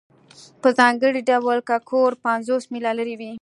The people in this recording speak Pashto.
په ځانګړي ډول که کور پنځوس میله لرې وي